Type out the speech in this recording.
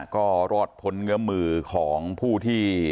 ก็รอดพ้นเงื้อมือของผู้ที่